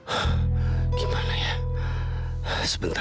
tuan terima kasih passionate dedy